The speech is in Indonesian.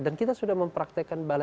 dan kita sudah mempraktekan banyak hal